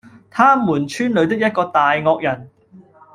他們村裏的一個大惡人，